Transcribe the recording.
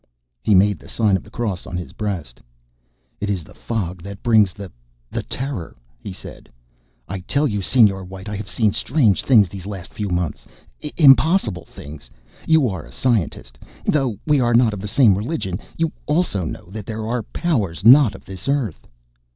He made the sign of the cross on his breast. "It is the fog that brings the the terror," he said. "I tell you, Señor White, I have seen strange things these last few months impossible things. You are a scientist. Though we are not of the same religion, you also know that there are powers not of this earth."